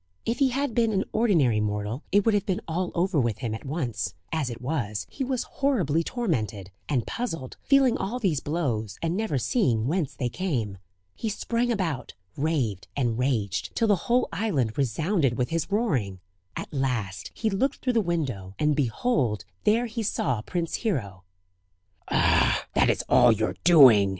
If he had been an ordinary mortal it would have been all over with him at once; as it was, he was horribly tormented, and puzzled feeling all these blows, and never seeing whence they came. He sprang about, raved, and raged, till the whole island resounded with his roaring. At last he looked through the window, and behold there he saw Prince Hero. "Ah! that is all your doing!"